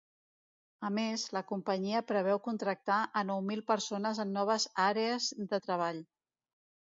A més, la companyia preveu contractar a nou mil persones en noves àrees de treball.